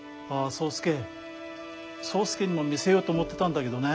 そうすけにも見せようと思ってたんだけどね。